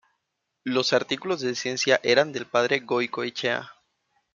Los artículos de ciencia eran del padre Goicoechea.